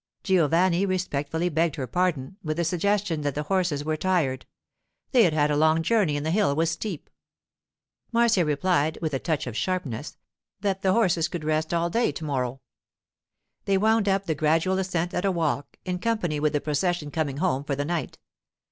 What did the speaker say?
Giovanni respectfully begged her pardon, with the suggestion that the horses were tired; they had had a long journey and the hill was steep. Marcia replied, with a touch of sharpness, that the horses could rest all day to morrow. They wound up the gradual ascent at a walk, in company with the procession coming home for the night.